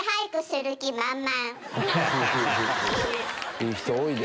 いい人多いで！